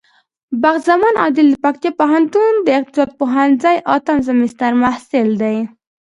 بخت زمان عادل د پکتيا پوهنتون د اقتصاد پوهنځی اتم سمستر محصل دی.